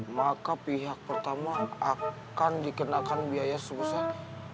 maka pihak pertama akan dikenakan biaya sebesar